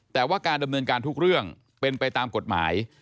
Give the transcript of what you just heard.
แต่ว่าการดำเนินการทุกเรื่องเป็นไปตามกฎหมาย